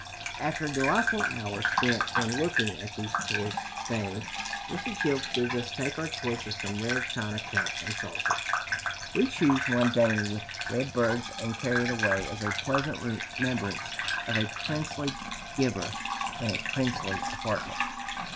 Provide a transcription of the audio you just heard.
After a delightful hour spent in looking at these choice things, Mr. Childs bids us take our choice of some rare china cups and saucers. We choose one dainty with red birds, and carry it away as a pleasant remembrance of a princely giver, in a princely apartment.